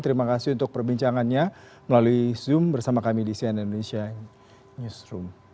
terima kasih untuk perbincangannya melalui zoom bersama kami di cnn indonesia newsroom